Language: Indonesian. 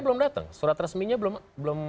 belum datang surat resminya belum